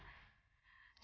dan mengenal mama